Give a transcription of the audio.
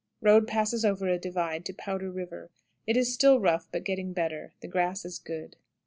Road passes over a divide to "Powder River." It is still rough, but getting better. The grass is good.